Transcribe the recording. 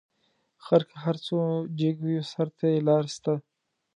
غر که هر څو جګ وي؛ سر ته یې لار سته.